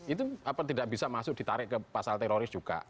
itu tidak bisa masuk ditarik ke pasal teroris juga